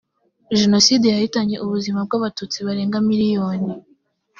jenoside yahitanye ubuzima bw’abatutsi barenga miliyoni